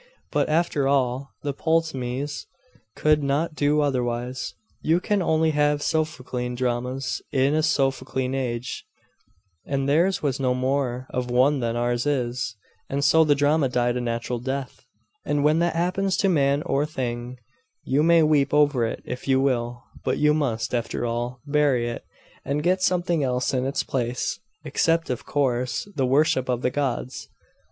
But, after all, the Ptolemies could not do otherwise. You can only have Sophoclean dramas in a Sophoclean age; and theirs was no more of one than ours is, and so the drama died a natural death; and when that happens to man or thing, you may weep over it if you will, but you must, after all, bury it, and get something else in its place except, of course, the worship of the gods.